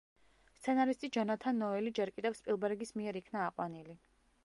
სცენარისტი ჯონათან ნოელი ჯერ კიდევ სპილბერგის მიერ იქნა აყვანილი.